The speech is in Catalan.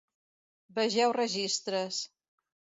Vegeu registres.